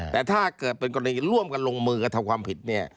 แต่ถ้าเกิดเป็นกรณีร่วมกันลงมือกระทำความผิดเนี่ย